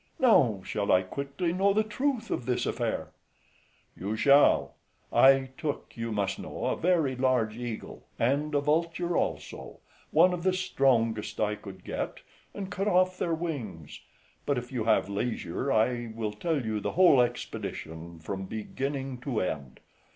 now shall I quickly know the truth of this affair. MENIPPUS. You shall: I took, you must know, a very large eagle {157b} and a vulture also, one of the strongest I could get, and cut off their wings; but, if you have leisure, I will tell you the whole expedition from beginning to end. FRIEND.